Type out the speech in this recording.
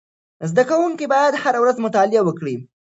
زده کوونکي باید هره ورځ مطالعه وکړي.